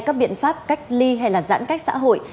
các biện pháp cách ly hay là giãn cách xã hội